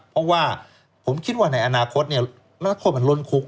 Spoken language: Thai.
เพราะว่าผมคิดว่าในอนาคตนักโทษมันล้นคุก